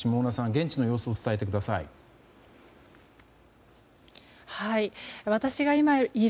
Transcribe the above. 現地の様子を伝えてください。